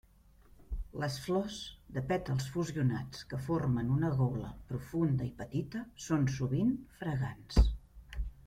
Les flors, de pètals fusionats que formen una gola profunda i petita, són sovint fragants.